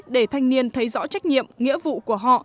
để thanh niên thấy rõ trách nhiệm nghĩa vụ của họ